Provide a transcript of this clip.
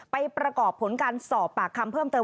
ประกอบผลการสอบปากคำเพิ่มเติม